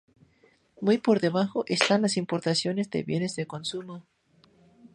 Muy por debajo están las importaciones de bienes de consumo.